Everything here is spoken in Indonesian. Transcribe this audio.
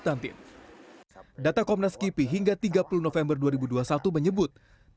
data komnas kipi hingga tiga puluh november dua ribu dua puluh satu menyebut